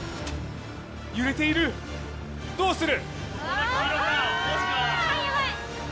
揺れている、どうする？